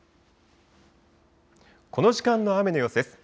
この時間の雨の様子です。